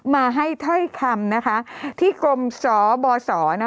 มาให้เท่าไหร่คำที่กรมสบส